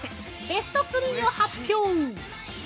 ベスト３を発表。